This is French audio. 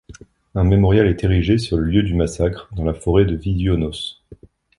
Un mémorial est érigé sur le lieu du massacre dans la forêt de Vyžuonos.